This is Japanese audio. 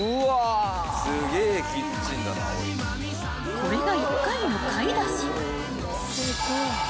［これが一回の買い出し］